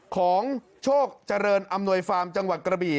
ของโชคเจริญอำนวยฟาร์มจังหวัดกระบี่